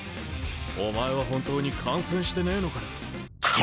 お前は本当に感染してねえのかよ。